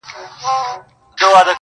چي ملالي پکښي ګرځي د وطن پر ګودرونو!!